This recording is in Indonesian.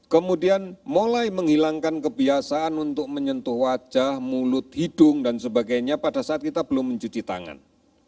kemudian mulai menghilangkan kebiasaan untuk menyentuh wajah mulut hidung dan sebagainya pada saat kita belum mencuci tangan